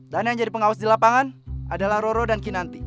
dan yang jadi pengawas di lapangan adalah roro dan kinanti